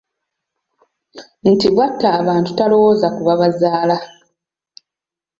Nti Bw'atta abantu talowooza ku babazaala.